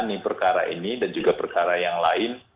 ini perkara ini dan juga perkara yang lain